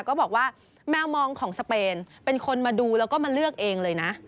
ก็บอกว่าแมวมองของสเปนเป็นคนมาดูแล้วก็มาเลือกเองเลยนะ